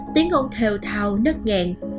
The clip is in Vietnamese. tiếng ông thều thào nất nghẹn